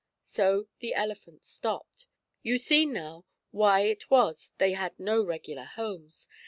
So the elephants stopped. You see, now, why it was they had no regular homes.